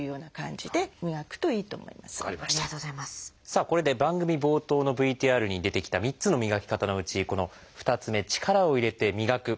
さあこれで番組冒頭のＶＴＲに出てきた３つの磨き方のうちこの２つ目「力を入れて磨く」